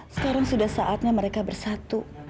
sekarang sudah saatnya mereka bersatu